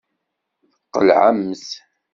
Tqelɛemt.